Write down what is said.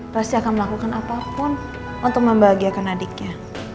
pasti akan melakukan apapun untuk membahagiakan adiknya